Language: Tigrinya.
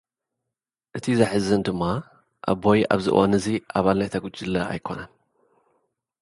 እቲ ዘሐዝን ድማ፡ ኣቦይ፡ ኣብዚ እዋን'ዚ ኣባል ናይታ ጉጅለ ኣይኮነን።